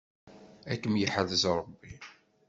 Ad kem-yeḥrez Ṛebbi.